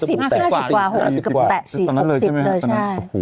มันใน๕๐กว่า๖๐กว่าแตะ๔๐